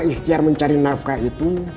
ihtiar mencari nafkah itu